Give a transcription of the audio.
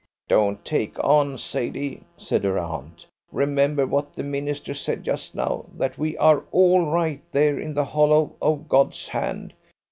"Don't take on, Sadie," said her aunt; "remember what the minister said just now, that we are all right there in the hollow of God's hand.